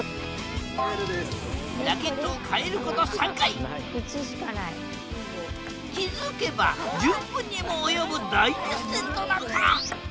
ラケットを替えること３回気付けば１０分にも及ぶ大熱戦となった！